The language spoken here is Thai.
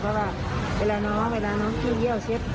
เพราะว่าเวลาน้องพี่เยี่ยวเช็ด